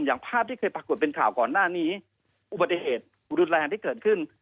อย่างภาพที่เคยปรากฏเป็นข่าวก่อนหน้านี้อุบัติเหตุรุนแรงที่เกิดขึ้น